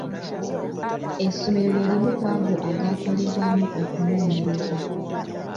Essomero lye limu ku ago agaakolebwamu okunoonyereza.